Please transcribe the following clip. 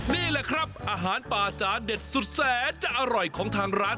นี่แหละครับอาหารป่าจานเด็ดสุดแสนจะอร่อยของทางร้าน